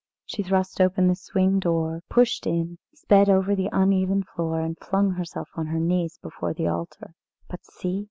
She thrust open the swing door, pushed in, sped over the uneven floor, and flung herself on her knees before the altar. But see!